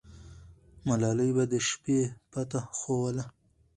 ملالۍ به د شپې پته ښووله.